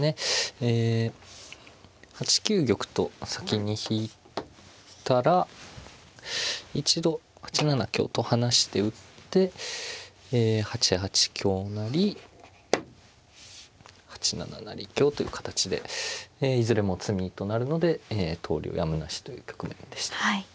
ええ８九玉と先に引いたら一度８七香と離して打って８八香成８七成香という形でええいずれも詰みとなるので投了やむなしという局面でした。